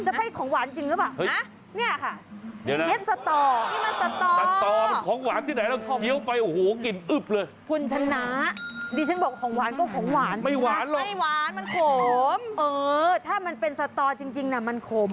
จริงเลยเนาะบอกไม่ต้องนะ